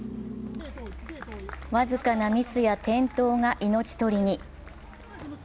僅かなミスや転倒が命取りに。